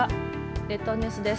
列島ニュースです。